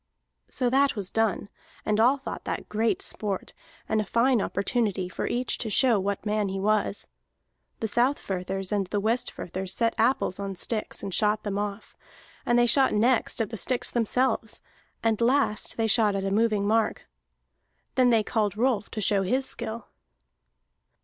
So that was done, and all thought that great sport, and a fine opportunity for each to show what man he was. The Southfirthers and the Westfirthers set apples on sticks and shot them off, and they shot next at the sticks themselves, and last they shot at a moving mark. Then they called Rolf to show his skill.